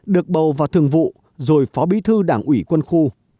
được bầu vào thường vụ rồi phó bí thư đảng ủy quân khu